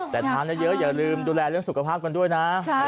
แต่ทานเยอะอย่าลืมดูแลเรื่องสุขภาพกันด้วยนะ